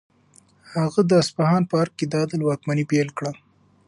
هغه د اصفهان په ارګ کې د عدل واکمني پیل کړه.